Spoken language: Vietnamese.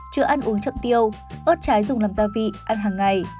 chưa ăn uống chậm tiêu ớt trái dùng làm gia vị ăn hàng ngày